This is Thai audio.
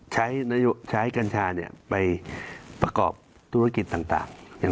ใช้กัญชาไปประกอบธุรกิจต่าง